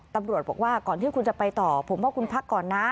ตำรวจบอกว่าก่อนที่คุณจะไปต่อผมว่าคุณพักก่อนนะ